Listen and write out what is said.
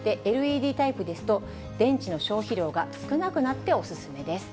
ＬＥＤタイプですと、電池の消費量が少なくなってお勧めです。